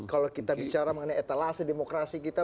kalau kita bicara mengenai etalase demokrasi kita